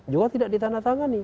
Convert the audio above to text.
juga tidak ditanda tangan nih